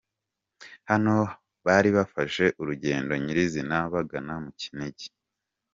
Hano bari bafashe urugendo nyirizina bagana mu Kinigi.